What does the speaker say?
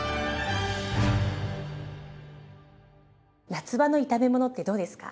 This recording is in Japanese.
夏場の炒め物ってどうですか？